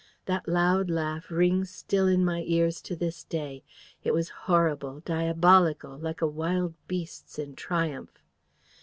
That loud laugh rings still in my ears to this day. It was horrible, diabolical, like a wild beast's in triumph.